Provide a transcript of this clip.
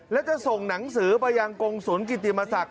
และจะส่งหนังสือไปยังกงศูนย์กิติมศักดิ